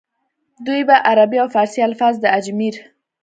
دوي به عربي او فارسي الفاظ د اجمېر